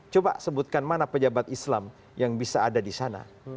coba sebutkan mana pejabat islam yang bisa ada di sana